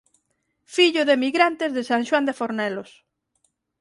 Fillo de emigrantes de San Xoán de Fornelos.